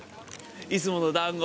いつもの団子。